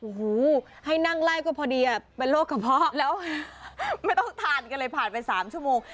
โอ้โหให้นั่งไล่ก็พอดีเป็นโรคกระเพาะแล้วไม่ต้องทานกันเลยผ่านไป๓ชั่วโมง